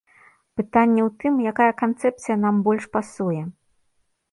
Пытанне ў тым, якая канцэпцыя нам больш пасуе.